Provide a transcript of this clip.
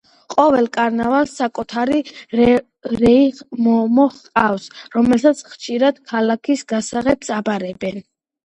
ყოველ კარნავალს საკუთარი რეი მომო ჰყავს, რომელსაც ხშირად ქალაქის გასაღებს აბარებენ.